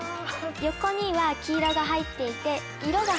横には「黄色」が入っていて。